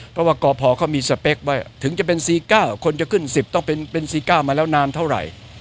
เพราะว่ากพเขามีสเปคไว้ถึงจะเป็น๔๙คนจะขึ้น๑๐ต้องเป็น๔๙มาแล้วนานเท่าไหร่